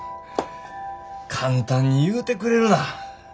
簡単に言うてくれるな。